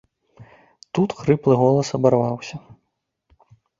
Тут хрыплы голас абарваўся.